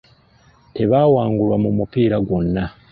Tebaawangulwa mu mupiira gwonna.